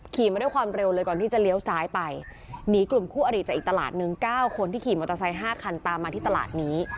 มาด้วยความเร็วเลยก่อนที่จะเลี้ยวซ้ายไปหนีกลุ่มคู่อริจากอีกตลาดนึง๙คนที่ขี่มอเตอร์ไซค์๕คันตามมาที่ตลาดนี้